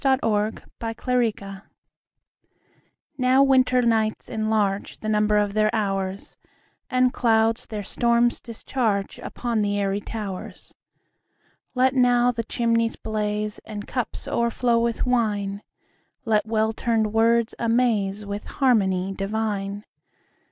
Winter Nights NOW winter nights enlarge The number of their hours, And clouds their storms discharge Upon the airy towers. Let now the chimneys blaze 5 And cups o'erflow with wine; Let well tuned words amaze With harmony divine.